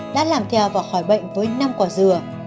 đã làm theo và khỏi bệnh với năm quả dừa